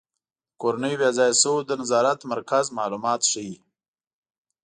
د کورنیو بې ځایه شویو د نظارت مرکز معلومات ښيي.